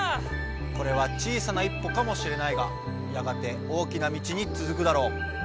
これは小さな一歩かもしれないがやがて大きな道につづくだろう！